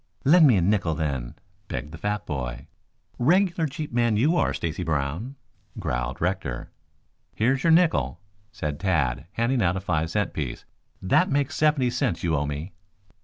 "Lend me a nickel, then," begged the fat boy. "Regular cheap man, you are, Stacy Brown." growled Rector. "Here's your nickel," said Tad, handing out a five cent piece. "That makes seventy cents you owe me."